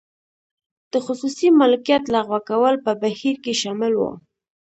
د خصوصي مالکیت لغوه کول په بهیر کې شامل و.